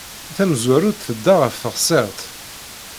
Tamezwarut, tedda ɣer teɣsert.